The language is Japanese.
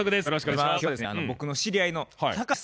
よろしくお願いします。